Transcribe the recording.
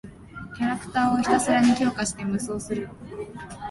キャラクターをひたすらに強化して無双する。